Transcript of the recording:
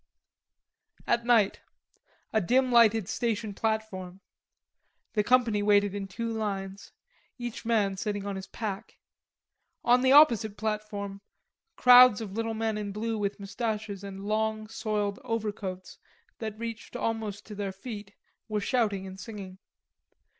At night. A dim lighted station platform. The company waited in two lines, each man sitting on his pack. On the opposite platform crowds of little men in blue with mustaches and long, soiled overcoats that reached almost to their feet were shouting and singing.